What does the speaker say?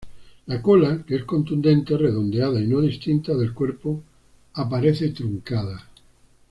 La cola, que es contundente, redondeada, y no distinta del cuerpo, aparece truncada.